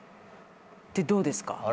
でどうですか？